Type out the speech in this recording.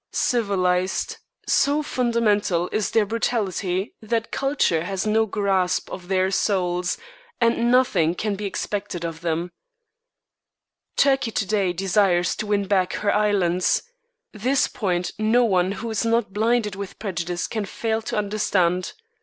Civilised? So fundamental is their brutality that culture has no grasp of their souls and nothing can be expected of them. Turkey to day desires to win back her islands; this point no one who is not blinded with prejudice can fail to understand.